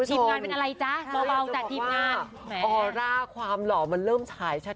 ถ้าอยากจะบอกว่าหอล่าความหล่อมันเริ่มถ่ายชัด